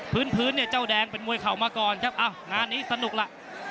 พื้นเนี่ยเจ้าแดงเป็นมวยเข่ามาก่อนครับอ้าวงานนี้สนุกล่ะ